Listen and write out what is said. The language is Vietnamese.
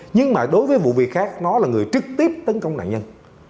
nhưng mà đối với vụ việc khác nó là người trực tiếp tấn công nạn nhân